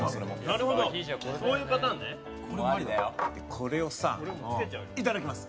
これをさ、いただきます。